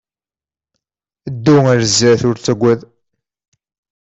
Ddu ɣer sdat ur ttaggad!